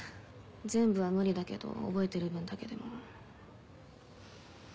全部は無理だけど覚えてる分だけでも。